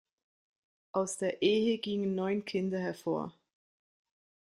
Aus der Ehe gingen neun Kinder hervor.